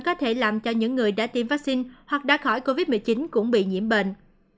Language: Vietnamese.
có thể làm cho những người đã tiêm vaccine hoặc đã khỏi covid một mươi chín cũng bị nhiễm bệnh